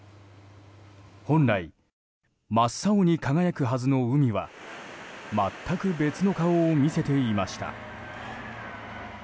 本来、真っ青に輝くはずの海は全く別の顔を見せていました。